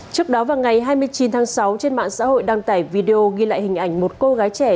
trước đó vào ngày hai mươi chín tháng sáu trên mạng xã hội đăng tải video ghi lại hình ảnh một cô gái trẻ